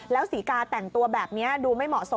แล้วศรีกาแต่งตัวแบบนี้ดูไม่เหมาะสม